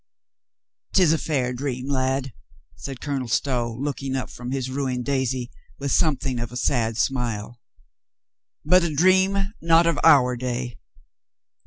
" 'Tis a fair dream, lad," said Colonel Stow, look ing up from his ruined daisy with something of a sad smile, "but a dream not of our day."